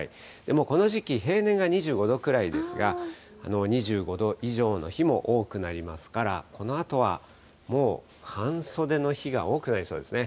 もうこの時期、平年が２５度くらいですが、２５度以上の日も多くなりますから、このあとはもう半袖の日が多くなりそうですね。